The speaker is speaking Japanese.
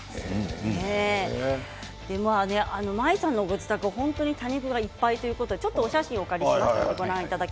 ＭＡｉさんのご自宅は本当に多肉植物がいっぱいということでお写真をお借りしました。